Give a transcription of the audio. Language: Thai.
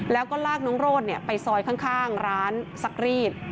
แล้วก็ลากน้องโรดไปซอยข้างร้านซักรีด